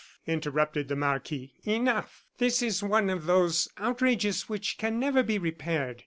interrupted the marquis; "enough! This is one of those outrages which can never be repaired.